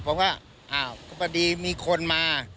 เพราะว่าประดีมีคนมา